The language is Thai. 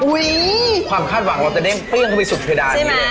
อุ๊ยความคาดหวังว่าจะได้เปลี่ยงเข้าไปสุดเฉยดาดเลย